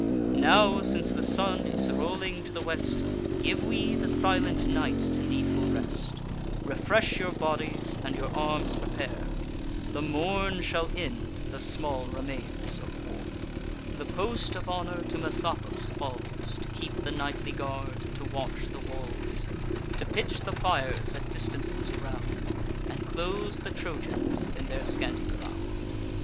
Now, since the sun is rolling to the west, Give we the silent night to needful rest: Refresh your bodies, and your arms prepare; The morn shall end the small remains of war." The post of honour to Messapus falls, To keep the nightly guard, to watch the walls, To pitch the fires at distances around, And close the Trojans in their scanty ground.